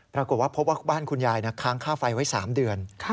ปรากฏว่าพบว่าบ้านคุณยายค้างค่าไฟไว้๓เดือน